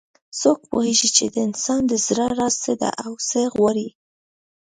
څوک پوهیږي چې د انسان د زړه راز څه ده او څه غواړي